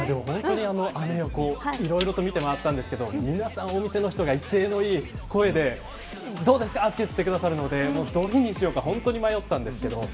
アメ横いろいろと見て回りましたが皆さん、お店の人が威勢のいい声でどうですかと言ってくださるのでどれにしようか本当に迷ったんですけど。